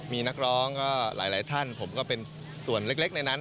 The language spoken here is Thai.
มีนักร้องก็หลายท่านผมก็เป็นส่วนเล็กในนั้น